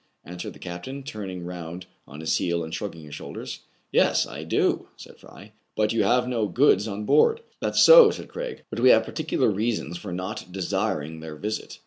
answered the captain, turning round on his heel, and shrugging his shoulders. "Yes, I do, said Fry. "But you have no goods on board. "That*s so, added Craig; "but we have par ticular reasons for not desiring theif visit.